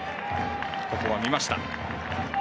ここは見ました。